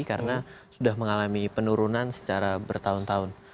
karena sudah mengalami penurunan secara bertahun tahun